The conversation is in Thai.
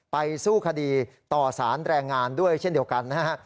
สู้คดีต่อสารแรงงานด้วยเช่นเดียวกันนะฮะ